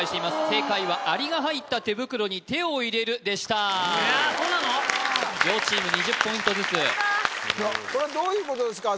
正解は「アリが入った手袋に手を入れる」でした両チーム２０ポイントずつこれどういうことですか？